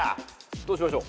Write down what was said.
どうしましょう？